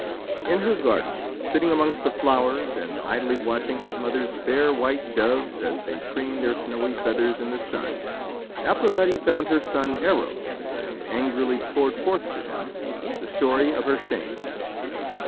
In her garden, sitting amongst the flowers and idly watching his mother's fair white doves as they preened their snowy feathers in the sun, Aphrodite found her son Eros, and angrily poured forth to him the story of her shame.